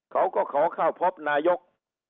เขาก็ขอเข้าพบนายก